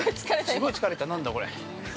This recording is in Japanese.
◆すごい疲れた、なんだこれ。